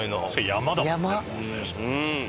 山。